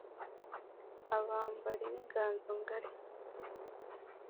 Abambali b'Inganzo Ngali.